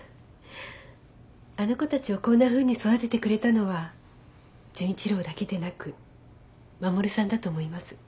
あの子たちをこんなふうに育ててくれたのは純一郎だけでなく護さんだと思います。